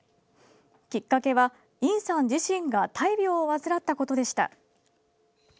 きっかけは尹さん自身が大病を患ったことでした。